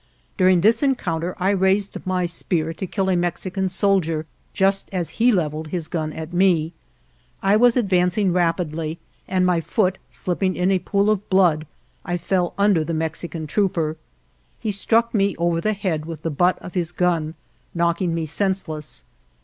During this encoun ter I raised my spear to kill a Mexican sol dier just as he leveled his gun at me; I was advancing rapidly, and my foot slipping in a pool of blood, I fell under the Mexican trooper. He struck me over the head with the butt of his gun, knocking me senseless.